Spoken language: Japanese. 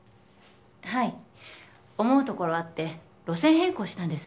はい思うところあって路線変更したんです